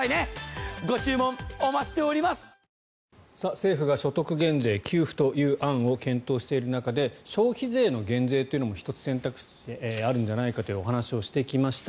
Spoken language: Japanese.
政府が所得減税給付という案を検討している中で消費税の減税というのも１つ、選択肢としてあるんじゃないかというお話をしてきました。